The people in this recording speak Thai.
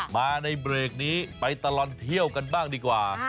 มาในเบรกนี้ไปตลอดเที่ยวกันบ้างดีกว่า